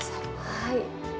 はい。